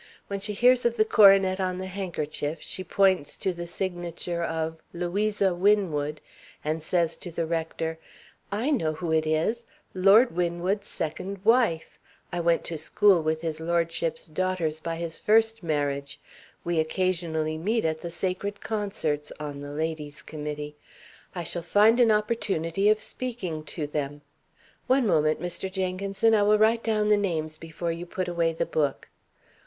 When she hears of the coronet on the handkerchief she points to the signature of "Louisa Winwood," and says to the rector, "I know who it is! Lord Winwood's second wife. I went to school with his lordship's daughters by his first marriage. We occasionally meet at the Sacred Concerts (on the 'Ladies' Committee'); I shall find an opportunity of speaking to them. One moment, Mr. Jenkinson, I will write down the names before you put away the book.